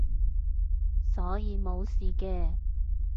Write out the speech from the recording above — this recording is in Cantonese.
所以冇事嘅